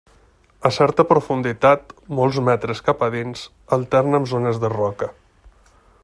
A certa profunditat, molts metres cap a dins, alterna amb zones de roca.